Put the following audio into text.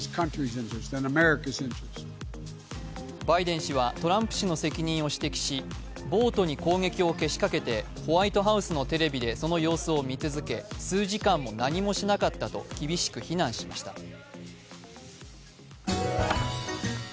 バイデン氏はトランプ氏の責任を指摘し暴徒に攻撃をけしかけてホワイトハウスのテレビでその様子を見続ける、数時間も何もしなかったと厳しく非難しました。